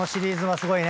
すごいよ。